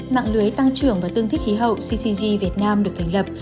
mạng lưới tăng trưởng và tương thích khí hậu ccg việt nam được thành lập